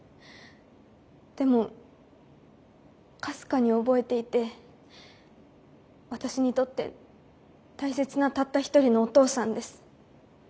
でもかすかに覚えていて私にとって大切なたった一人のお父さんです。